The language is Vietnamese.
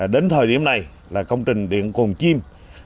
đến thời điểm này công trình điện cồn chim